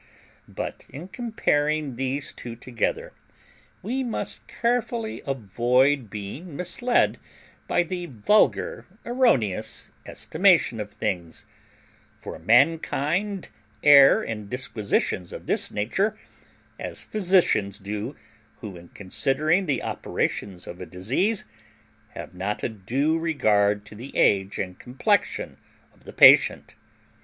But, in comparing these two together, we must carefully avoid being misled by the vulgar erroneous estimation of things, for mankind err in disquisitions of this nature as physicians do who in considering the operations of a disease have not a due regard to the age and complexion of the patient.